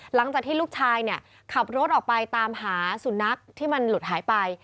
หลังจากที่ลูกชายเนี่ยขับรถออกไปตามหาสุนัขที่มันหลุดหายไป